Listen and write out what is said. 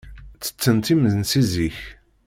Ttettent imensi zik.